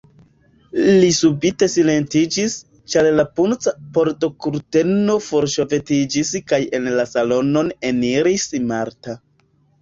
Li subite silentiĝis, ĉar la punca pordokurteno forŝovetiĝis kaj en la salonon eniris Marta.